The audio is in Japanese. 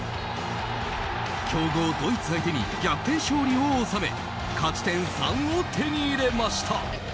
強豪ドイツ相手に逆転勝利を収め勝ち点３を手に入れました。